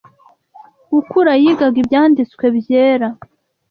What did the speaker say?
gukura yigaga Ibyanditswe Byera